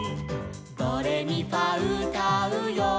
「ドレミファうたうよ」